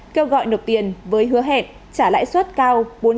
kêu gọi nộp tiền với hứa hẹn trả lãi suất cao bốn trăm bảy mươi năm đến tám trăm một mươi bốn